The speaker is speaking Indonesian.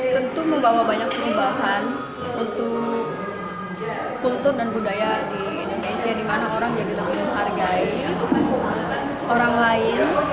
tentu membawa banyak perubahan untuk kultur dan budaya di indonesia di mana orang jadi lebih menghargai orang lain